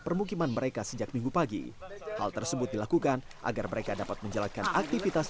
permukiman mereka sejak minggu pagi hal tersebut dilakukan agar mereka dapat menjalankan aktivitas